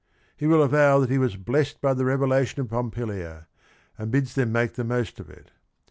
He will avow that he "was blessed by the revelation of Pompilia" — and bids them make the most of it.